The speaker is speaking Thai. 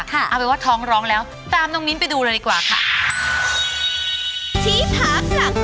เอาเป็นว่าท้องร้องแล้วตามน้องมิ้นไปดูเลยดีกว่าค่ะ